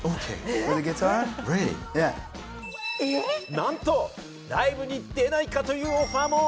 なんとライブに出ないか？というオファーも！